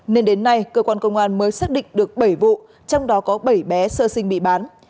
nên đến nay cơ quan công an mới xác định được bảy vụ trong đó có bảy bé sơ sinh bị bán